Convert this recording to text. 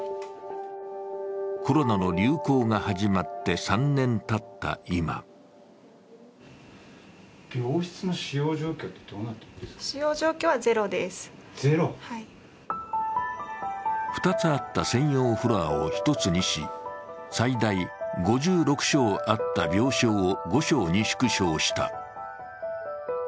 コロナの流行が始まって３年たった今２つあった専用フロアを１つにし、最大５６床あった病床を５床に縮小した。